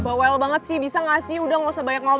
bawel banget sih bisa gak sih udah gak usah banyak ngomong